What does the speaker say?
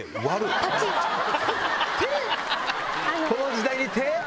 この時代に手⁉